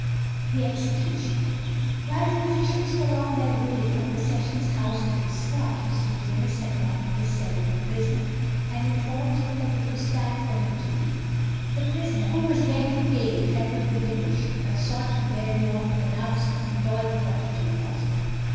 THE EXECUTION. While the officials were on their way from the Sessions House to this spot, Mr. Jonas had gone to the cell of the prisoner, and informed him that it was time for him to leave. The prisoner, who was deadly pale, trembled with emotion, but sought to bear the awful announcement with all the fortitude possible.